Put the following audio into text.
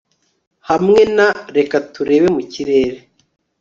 hamwe na, 'reka turebe mu kirere